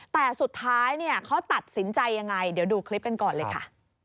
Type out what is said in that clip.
แต่สุดท้ายเขาตัดสินใจยังไงเดี๋ยวดูคลิปกันก่อนเลยค่ะ